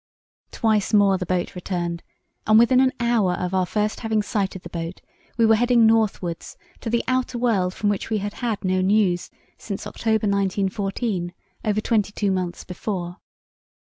Twice more the boat returned, and within an hour of our first having sighted the boat we were heading northwards to the outer world from which we had had no news since October 1914, over twenty two months before.